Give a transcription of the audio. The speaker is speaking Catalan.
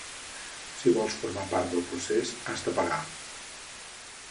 Si vols formar part del procés, has de pagar.